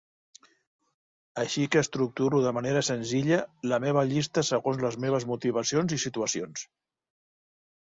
Així que estructuro de manera senzilla la meva llista segons les meves motivacions i situacions.